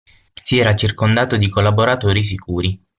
Si era circondato di collaboratori sicuri.